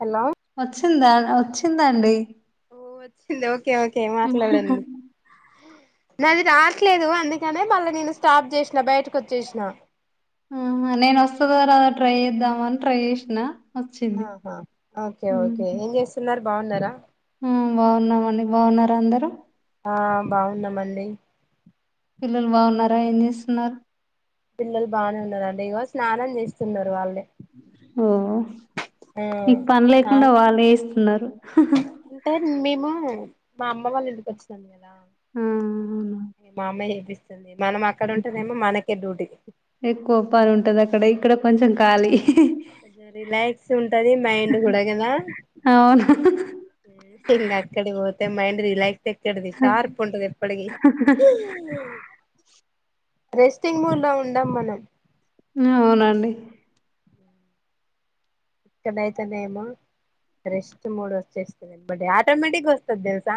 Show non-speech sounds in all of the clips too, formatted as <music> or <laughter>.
Hello వచ్చిందా వచ్చిందండి ఓ వచ్చింది ఓకే ఓకే మాట్లాడండి నాది రాట్లేదు అందుకనే మళ్ళా నేను స్టాప్ చేసినా బయటకు వచ్చేసిన ఆ నేను వస్తదా రాదా అని ట్రై చేద్దామ అని ట్రై చేసిన వచ్చింది ఆహా ఓకే ఓకే ఏం చేస్తున్నారు బాగున్నారా హు బాగున్నామండి బాగున్నార అందరు ఆ బాగున్నామండి పిల్లలు బాగున్నారా ఏమి చేస్తున్నారు పిల్లలు బాగానే ఉన్నారండి ఇగో స్నానం చేస్తున్నారు వాళ్ళే ఓ నీకు పని ఆ లేకుండా వాళ్ళే చేస్తున్నారు అంటే మేము మా అమ్మ వాళ్ళ ఇంటికి వచ్చినాం కదా ఆ మా అమ్మే తినిపిస్తుంది మనం అక్కడ ఉంటేనేమో మనకే డ్యూటీ ఎక్కువ పని ఉంటది అక్కడ ఇక్కడ కొంచెం ఖాళీ రిలాక్స్ ఉంటది మైండ్ కూడా కదా అవును ఉం ఇంగ అక్కడకి పోతే మైండ్ రిలాక్స్ డది షార్ప్ ఉంటది ఎప్పటికి రెస్టింగ్ మూడ్ లో ఉండం మనం అవునండి ఇక్కడ అయితనేమో రెస్ట్ మోడ్ వచ్చేస్తుంది ఎమ్మటే ఆటోమేటిిక్ వస్తది తెలుసా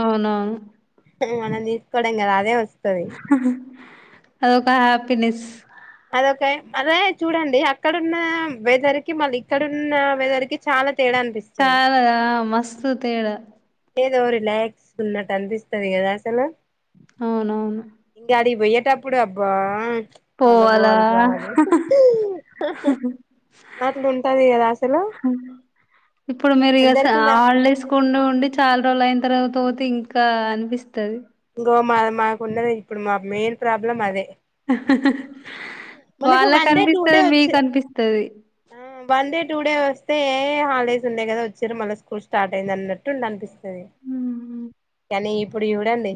అవునవును మనం తీసుకోవడం కాదు అదే వస్తది అదొక హ్యాపీనెస్ కే అదే చూడండి అక్కడన్న వేదరికి మళ్ళీ ఇక్కడన్న వేదరికి చాలా తేడా అనిపిస్తది చాలాదా ఆ మస్తు తేడా ఏదో రిలాక్స్ ఉన్నట్టు అనిపిస్తది కదా అసలు అవునవును పొయ్యేటప్పుడు అబ్బా మళ్ళ పోవాలా పోవాల రా అని అట్లు ఉంటది కదా అసలు ఇప్పుడు మీరు ఇగ అందరికి నా హాల్ డేస్ కి ఉండి ఉండి చాలా రోజులు అయిన తర్వాత పోతే ఇంకా అనిపిస్తుది సో మా మాకున్నది ఇప్పుడు మా మెయిన్ ప్రాబ్లమ్ అదే <inaudible> మనకి వాళ్ళకి వన్ డే టూ డే అనిపిస్తది మీకు వచ్చే అనిపిస్తది ఆ వన్ డే టూ డే వస్తే హాలిడేస్ ఉన్నాయి కదా వచ్చారు మళ్ళీ స్కూల్ స్టార్ట్ అయింది అన్నట్టు ఉండ అనిపిస్తుంది హమ్ కానీ ఇప్పుడు చూడండి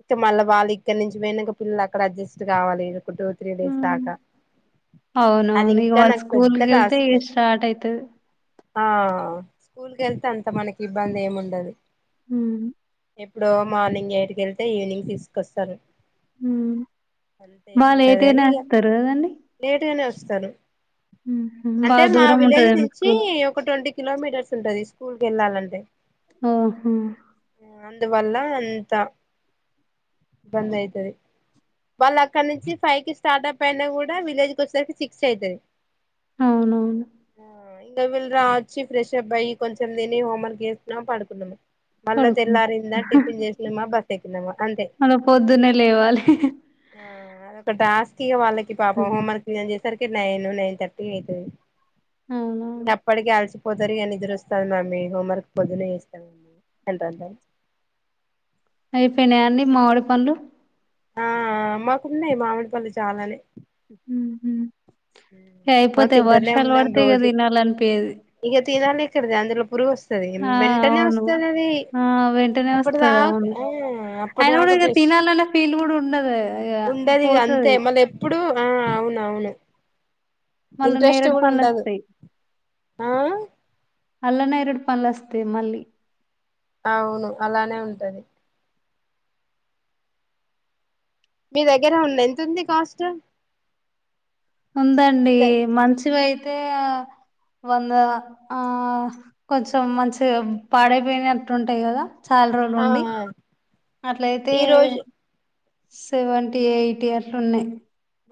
ఇంకా మళ్ళీ వాళ్ళు ఇక్కడ నుంచి పోయినాక పిల్లలు అక్కడ అడ్జస్ట్ కావాలి ఒక టూ త్రీ డేస్ ఉమ్. దాకా అది అవునవును ఇగ ఇంకా వాళ్ళు నాకు స్కూల్ పెద్ద గెళ్తే టాస్క్ ఇగ స్టార్ట్ అయితుది ఆ స్కూల్కి వెళ్తే అంత మనకి ఇబ్బంది ఏమిండదు ఉం ఎప్పుడో మార్నింగ్ ఎయిటుక వెళ్తే ఈవినింగ్ తీసుకొస్తారు వాళ్ళు లేటుగానే అంతేేముండదని ఇగ వస్తారు కదండి లేటుగానే వస్తారు ఉహు, అంటే బాగా మా దూరం విలేజ్ ఉంటదేమో నుంచి స్కూల్ ఒక ట్వంటీ కిలోమీటర్స్ ఉంటది స్కూల్కి కి వెళ్ళా లంటే ఆహా అందువల్ల అంత ఇబ్బంది అయితది వాళ్ళు అక్కడ నుంచి ఫైవ్ కి స్టార్ట్ అప్ అయినా కూడా విలేజ్ క వచ్చేసరికి సిక్స్ అయితది అవునవును ఆ ఇంగ వీళ్ళ రా వచ్చి ఫ్రెష్ అప్ అయి కొంచెం తేని హోమ్ వర్క్ చేసినమా పడుకున్నాము మళ్ళా పడుకుంటా తెల్లారింద టిఫిన్ చేసినమా బస్ ఎక్కినమా అలా పొద్దునే లేవాలి ఆ అదొక టాస్క్ ఇగ వాళ్ళకి పాపం హోంవర్క్ చేసరికి నైన్ నైన్ థర్టీ అయితది అవునవును ఇంగ అప్పటికే అలసి పొదరిగాని నిదరుొస్తంది మమ్మీ హోంవర్క్ పొద్దున చేస్తాం మమ్ీ అంటద్దా <unintelligible> అయిపోయినాయా అండి మామిడి పండ్లు ఆ మాకున్నాయి మామిడిపల్లు చాలానే ఉహు బా అయిపోతాయి తింటానే వర్షాలు ఉన్నాం పడితే ఇగ రోజు తినాలనిపియది ఇగ తీరా నెచర్ది అందులో పురుగొస్ సరే ఆ వెంటనే అవును వస్తది అది ఆ వెంటనే అప్పుడు వస్తది దాకా మ్ అప్పుటి దాకా ప్రెస్ తినాలన్న ఫీల్ కూడా ఉండదు ఇగ ఉండదు ఇగ అంతే పోతది మళ్ళీ ఎప్పుడు ఆ అవునవును మళ్ళా ఇంట్రెస్ట్ నేరేడు కూడా పండ్లు ఉండదు వస్తాయి ఆ అల్లనేరడు పళ్ళు వస్తయి మళ్ళీ అవును అలానే ఉంటది మీ దగ్గర ఉంది ఎంత ఉంది కాస్ట్ ఉందండి మీ ద మంచివి అయితే వంద ఆ కొంచెం మంచిగ పాడైపోయినట్టు ఉంటాయి కదా చాలా రోలు ఆ ఉండి అట్లయితే ఈ రోజు సెవెంటీ ఎయిటీ అట్లు ఉన్నాయి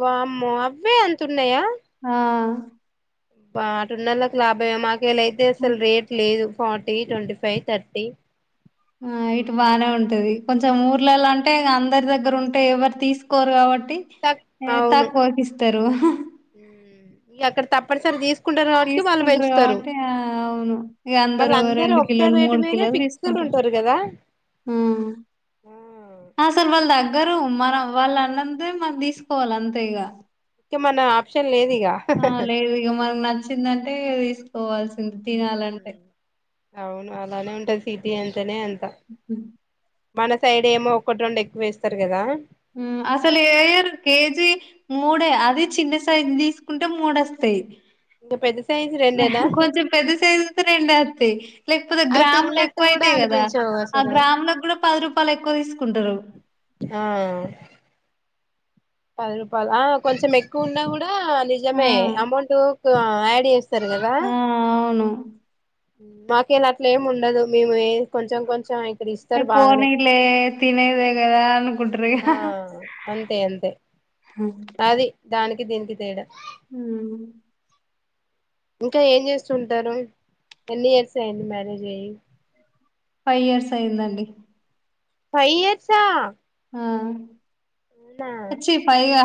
వామ్మో అవే అంతున్నాయా ఆ బాటున్నళ్ళకి లాభయ మాకెలయితే ఆ అసలు రేట్ లేదు ఫార్టీ ట్వంటీ ఫైవ్ థర్టీ ఆ ఇటు బానే ఉంటది కొంచెం ఊర్లలో అంటే అందరి దగ్గర ఉంటే ఎవరు తీసుకోరు కాబట్ ట్టి తక్ అవును ఎతకొకిిస్తరు పడిసెల్ దీస్ కుంటరు వాట్కి వాళ్ళు పెంచుతారు కాబట్టి ఆ అవును ఇక మళ్ళ అందరు రెండు ఒక్క కిలోలు రేటు మీదే ఫిక్స్డ్ ఉంటరు గదా మ్ అస్సల వాల్ దగ్ గ్గరు మనం వాళ్ళ అన్నంతే మనం దీసుకోవాలి అంతే ఇగా కి మన ఆప్షన్ లేదు ఇగ ఆ లేదు ఇగ మనకు నచ్చిందంటే తీసుకోవాల్సింది తినాలంటే అవును అలానే ఉంటది సిటీ అంటేనే అంత హ్మ్. మన సైడ్ ఏమో ఒకటి రెండు ఎక్కువ వేస్తారు కదా అసలు ఏయర్ కేజీ మూడే అది చిన్న సైజు తీసుకుంటే మూడొస్తాయి ఇంకా పెద్ద సైజు రెండేనా కొంచెం పెద్ద సైజు రెండే వత్తయ్ లేకపోతే అవి గ్రాములు తిన్నట్టు ఎక్కువ కూడా అయితాయి కదా అనిపించవు ఆ అసలు గ్రాములో కూడా పది రూపాయలు ఎక్కువ తీసుకుంటారు ఆ పది రూపాయలు కొంచెం ఎక్కువ ఉన్నా కూడా ఆ నిజమే అమౌంటుకు యాడ్ చేస్ సరి కదా ఆ అవును మాకు ఇలా అట్లీం ఉండదు మేము కొంచెం కొంచెం ఇక్కడ ఇస్తారు బాగానే పోనీలే తినేదే కదా అనుకుంట్రు ఇగ ఆ అంతే అంతే అంతే అది దానికి దీనికి తేడా హ్మ్ ఇంకా ఏం చేస్తుంటారు ఎన్ని ఇయర్స్ అయ్యింది మ్యారేజ్ అయ్యి ఫైవ్ ఇయర్స్ అయిందండి ఫైవ్ ఇయర్సా ఆ అవునా అచ్చి ఫైవా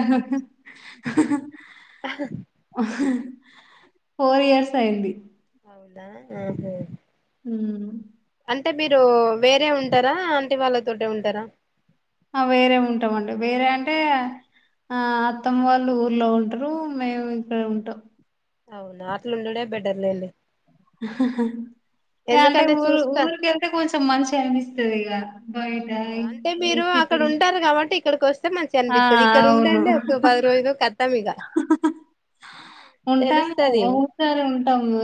ఫోర్ ఇయర్స్ అయింది అవునా మ్ హు ఉమ్ అంటే మీరు వేరే ఉంటారా ఆంటి వాళ్ళ తోటే ఉంటారా ఆ వేరే ఉంటామండి వేరే అంటే ఆ అత్తమ్మ వాళ్ళు ఊర్లో ఉంటారు మేము ఇక్కడ ఉంటాం అవున ఆట్లుండుడే బెటర్ర్లేండి ఇ అంటే ఎందుకంటే ఊరు చూస్తా ఊరికేళ్తే కొంచెం మంచిగా అనిపిస్తది ఇగ బయట ఆ అంటే ఈ మీరు అక్కడ సిటీలో ఉంటారు కాబట్టి ఇక్కడికి వస్తే మంచిగా ఆ అనిపిత్తది ఇక్కడ అవును ఉండండి ఒక పది రోజులు కతం ఇగ ఉంటాము తెలుస్తది ఒకసారి ఉంటాము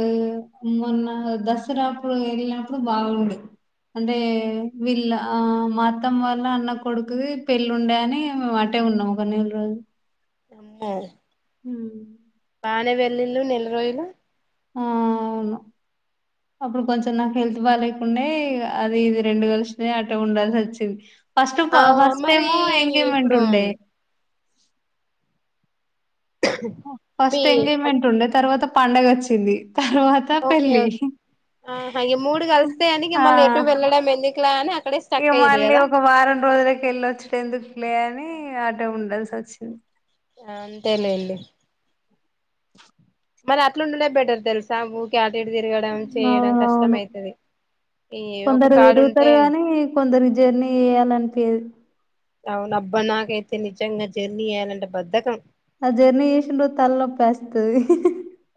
మొన్న దసరాప్పుడు వెళ్ళినప్పుడు బాగుండు అంటే వీళ్ళ మా అత్తమ్మా వల్ల అన్న కొడుకుది పెళ్ళి ఉండే అని మాట అడనే ఉన్నాము ఒక నెలరోజులు అమ్మో ఉమ్ బానే వెల్లుళ్ళు నెల రోజులు ఉ అవును అప్పుడు కొంచెం నాకు హెల్త్ బాలేకుండే అది ఇది రెండు కలిసినయి అట్టే ఉండాల్సి వచ్చింది ఫస్ట్ ఆ మరి ఫస్ట్టేమో ఎంగేజ్మెంట్ ఇప్పుడు ఉండే మీ ఫస్ట్ ఎంగేజ్మెంట్ ఉండే తర్వాత పండగ వచ్చింది తర్వాత పెళ్ళి ఆ ఈ మూడు కలిస్తే అని ఆ మల్లా ఎటు వెళ్ళడం ఎందుకులే అని అక్కడే స్టక్ అయ్యారు కదా కొన్ని రోజులకి వెళ్ళొచ్చట ఎందుకులే అని ఆటే ఉంల్సి వచ్చింది ఆ అంతేలేండి మరి అట్లుండు బెటర్ తెలుసా ఊకే ఆటు ఇటు తిరగడం చేయడం అవునవును కష్టమయితది కొందరు తిరుగుతారు గానీ కొందరికి జర్నీ చెయ్యాలనిపియ్యాదు అవును అబ్బా నాకైతే నిజంగా జర్నీ చెయ్యలంటే బద్ధకం ఆ జర్నీ చేసిన రోజు తలనొప్పివేస్తది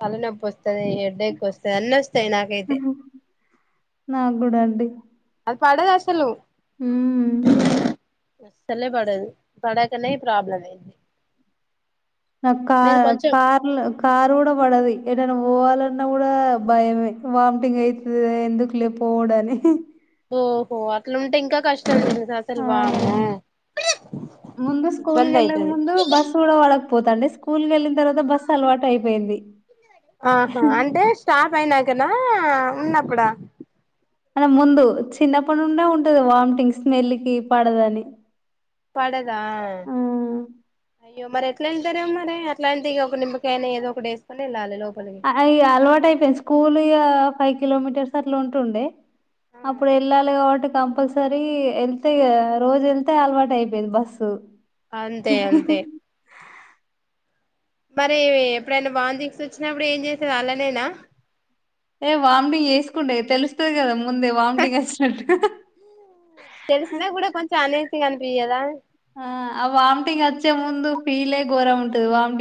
తల నొప్పి వస్తు వస్తది హెడేక్ వస్తది అన్ని వస్తాయి నాకైతే నాకు పడదసలు ఉ అస్సలే పడదు పడకనే ప్రాబ్లంఅయ్యింది నాకు కార్ కార్లో కార్ కూడా పడది ఎటైనా పోవాలన్నా కూడా భయమే వామిటింగ్ అయితది ఎందుకులే పోవుడని ఓహో అట్లుంటే ఇంకా కష్టం లే అసలు ఆ వామ్మో ముందు ఇబ్బంది స్కూల్కెల్లక అయితది ముందు బస్ కూడా పడక పోతాండే స్కూల్ వెళ్ళిన తర్వాత బస్సు అలవాటు అయిపోయింది ఆహా అంటే స్టాప్ అయినాకన ఉన్నప్పుడా అ ముందు చిన్నప్పటి నుండే ఉంటది వామిటింగ్ స్మెల్ కి పడదని పడదా అయ్యో మరి ఎట్లా వెళ్తారు మరీ అట్లాంటి ఇ ఒక నిమ్మకాయైన ఏదో ఒకటి వేసుకొని వెళ్ళాలి లోపలికి ఇగ అలవాటు అయిపోయింది స్కూల్ ఇక ఫైవ్ కిలోమీటర్స్ అట్లా ఉంటుండే ఆ అప్పుడు ఎల్లాలి కాబట్టి కంపల్సరీ వెళ్తే ఇగ రోజు వెళ్తే అలవాటు అయిపోయింది బస్సు అంతే అంతే మరి ఎప్పుడైనా వొంటింగ్స్ వచ్చినప్పుడు ఏం చేసేది అలానేనా ఏ వామిటింగ్ చేసుకుండే తెలుస్తది కదా ముందే వామిటింగ్ వచ్చినట్టు. తెలిసినా కూడా కొంచెం అనేసిగా అనిపియ్యదా. ఆ ఆ వామిటింగ్ వచ్చే ముందు ఫీల్ ఏ ఘోరంగా ఉంటది వమ్.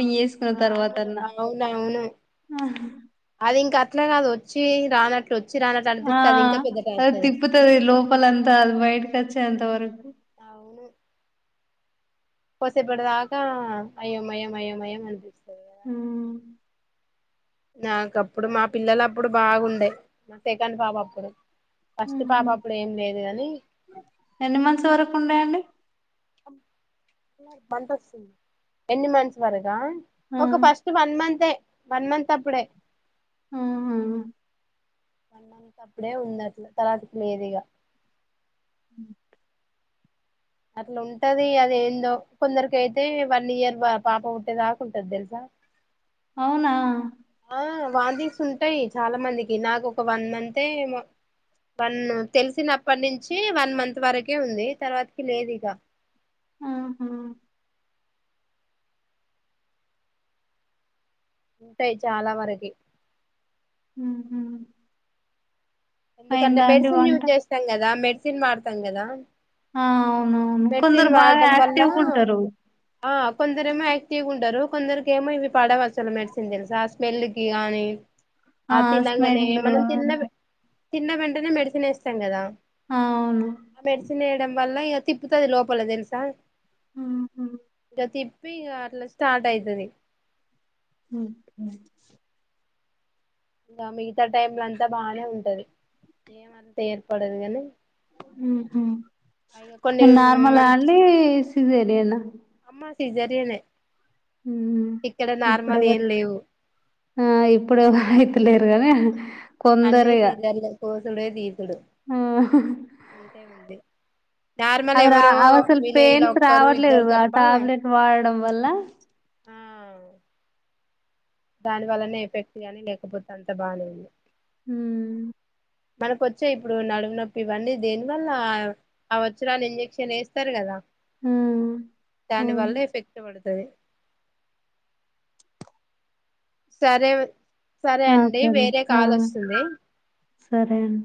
ఆ అమ్ములు లంగా వోని అవును అది ఇంకా. అట్లా కాదు వచ్చి రానట్లు వచ్. ఆ అది తిప్పుతది లోపల్ అంత అది బయటికి వచ్చే అంతా వరకు. కోసైపడదాక అయో మయం అయ్యోమయం అనిపిస్తది. ఆ. నాకప్పుడు మా పిల్లలు అప్పుడు బాగుండే మా సేకాండ పాప అప్పుడు. ఫస్ట్ పాప ఉహు అప్పుడు ఏం లేదు గాని. ఎన్ని మంత్స్ వరకు ఉండయండి మంత వస్తుంది ఎన్ని మంత్స్ మరక. ఆ ఒక ఫస్ట్ వన్ మంతే వన్ మంత్ అప్పుడే. ఆహా. వన్ మంత్ అప్పుడే ఉంది అట్లా తర్వాతకి లేదు ఇగా. అట్లా ఉంటది అద ఏందో కొందరికి అయితే వన్ ఇయర్ పాప పుట్టేదాకా ఉంటది తెలుసా. అవునా. ఆ వాంతింగ్స్ ఉంటాయి చాలా మందికి నాకు ఒక వన్ మంతే ఏమో. వన్ తెలిసినప్పటి నుంచి వన్ మంత్ వరకే ఉంది తర్వాతకి లేదు ఇగ. ఉహు. ఉంటాయి చాలా వరకి. ఉహు. ఎందుకంటే అయిందా అండి మెడిసిన్ వంట యూజ్ చేస్తాం కదా మెడిసిన్ వాడతాం కదా. ఆ అవునవును మెడిసిన్ కొందరు బాగా వాడం వల్ల యాక్టివ్గా ఉంటారు ఆ. కొందరు ఏమో యాక్టివ్ గా ఉంటారు కొందరుకి ఏమో ఇవి పడవు అసలు మెడిసిన్ తెలుసా స్మెల్ కి గాని. ఆ తినంగానే ఏమన్న తిన్న వేంట్. తిన్న వెంటనే మెడిసిన్ వేస్తాం కదా ఆ అవును మెడిసిన్ వేయడం వల్ల ఇగ. తిప్పుతాది లోపల తెలుసా. ఉహు ఇట్లా తిప్పి ఇగ అట్లా స్టార్ట్ అవుతుది. హ్మ్. ఇంకా మిగతా టైమ్ లో అంతా బానే ఉంటది. ఏమంత ఏర్పడదు కాని. ఇగ కొన్ని నార్మల్ మంచి కాబట్టి సిజేరియన్. సీజరిన్. లేవు ఆ ఇప్పుడు. లేరు గాని. అన్ని సిజేరియన్ కోసుడే తీసాడు. ఆ అవి రా అ అవసలు లో పెయిన్స్ ఒక్కరు రావట్లేదు ఇద్దరు ఆ తప్ప టాబ్లెట్ వాడడం వల్ల. ఆ దాని వల్లనే ఎఫెక్ట్ కానీ లేకపోతే అంత బాలేదు. ఉహు. మనక వచ్చే ఇప్పుడు నడుము నొప్పి ఇవన్నీ దీంట్ల ఆ వచ్చిరాని ఇంజక్షన్స్ వేస్తారు కదా. హ్మ్ దాని వల్ల అవును ఎఫెక్ట్ పడుతది. సరే. సరే ఆ అండి సరే వేరే ఆ కాల్ వస్తుంది. సరే అండి